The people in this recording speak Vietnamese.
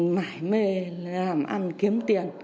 mãi mê làm ăn kiếm tiền